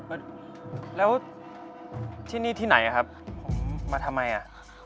อ้าวแล้วที่นี่ที่ไหนครับมาทำไมอะ